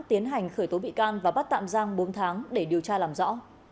tiến hành khởi tố bị can và bắt tạm giam bốn tháng để điều tra làm rõ